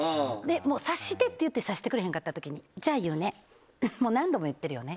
「察して」って言って察してくれへんかった時に「じゃあ言うねもう何度も言ってるよね。